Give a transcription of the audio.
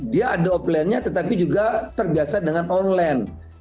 dia ada offlinenya tetapi juga terbiasa dengan online